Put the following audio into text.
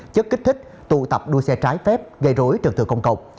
chất kích thích tụ tập đua xe trái phép gây rối trật tự công cộng